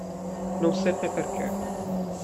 Non seppe perché.